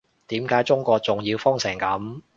點解中國仲要封成噉